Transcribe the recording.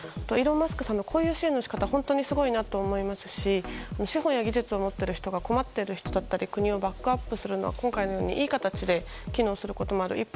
イーロン・マスクさんのこういう支援の仕方は本当にすごいなと思いますし資本や技術を持っている人が困っている人だったり国をバックアップするのは今回のようないい形で機能することもある。